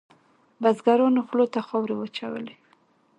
بزګرانو خولو ته خاورې واچولې.